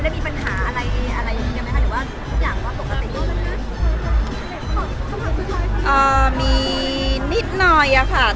คือพี่โพสไม่ได้เอ่ยชื่อ